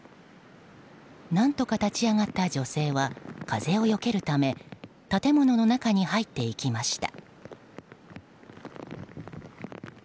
何とか立ち上がった女性は風をよけるため建物の中に入っていきました。